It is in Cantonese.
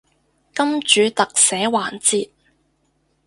金主特寫環節